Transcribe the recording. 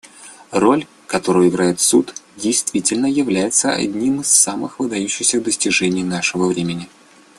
Роль, которую играет Суд, действительно является одним из самых выдающихся достижений нашего времени.